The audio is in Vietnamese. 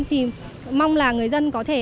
thì mong là người dân có thể